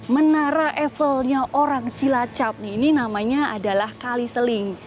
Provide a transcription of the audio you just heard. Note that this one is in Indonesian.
menara eiffelnya orang cilacap ini namanya adalah kali seling